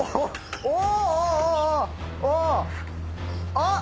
あっ！